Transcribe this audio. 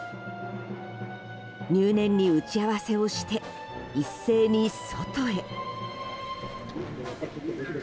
入念に打ち合わせをして一斉に外へ。